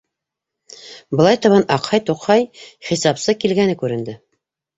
Былай табан аҡһай-туҡһай хисапсы килгәне күренде: